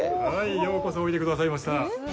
ようこそおいでくださいました。